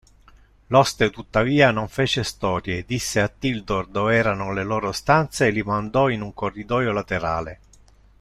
L'oste tuttavia non fece storie, disse a Tildor dove erano le loro stanze e li mandò in un corridoio laterale.